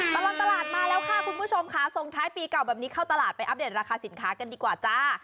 ตลอดตลาดมาแล้วค่ะคุณผู้ชมค่ะส่งท้ายปีเก่าแบบนี้เข้าตลาดไปอัปเดตราคาสินค้ากันดีกว่าจ้า